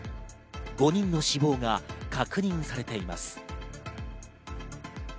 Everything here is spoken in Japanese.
５人の死亡が確認されています。